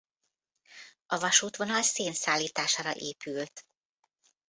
A vasútvonal szén szállítására épült.